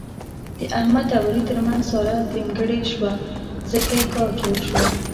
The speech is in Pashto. د احمد او علي ترمنځ ساره درېیمګړې شوه، ځکه یې کار جوړ شو.